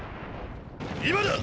今だ！！